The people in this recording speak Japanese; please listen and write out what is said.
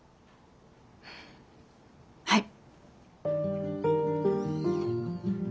はい。